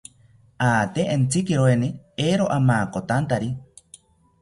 Ate entzikiroeni, eero amakotantari